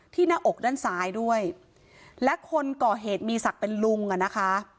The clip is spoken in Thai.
หน้าอกด้านซ้ายด้วยและคนก่อเหตุมีศักดิ์เป็นลุงอ่ะนะคะ